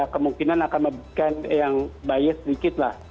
kemungkinan akan membahas yang bias sedikit